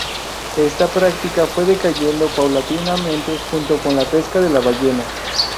Esta práctica fue decayendo paulatinamente junto con la pesca de la ballena.